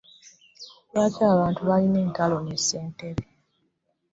Lwaki abantu balina entalo ne ssentebe?